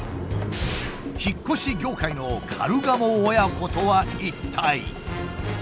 引っ越し業界のカルガモ親子とは一体。